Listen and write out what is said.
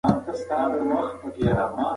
د ښځو ټولنیز پاڅونونه یو ښه مثال دی.